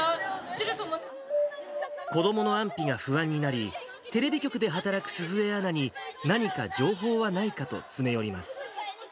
子どもの安否が不安になり、テレビ局で働く鈴江アナに何か情報はないかと詰め寄ります。